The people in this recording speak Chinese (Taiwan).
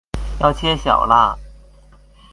要切小辣